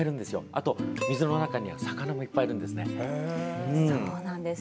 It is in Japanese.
あと水の中には魚もいっぱいいるんです。